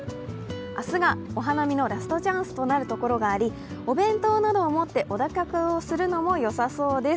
明日がお花見のラストチャンスとなるところがありお弁当などを持ってお出かけをするのもよさそうです。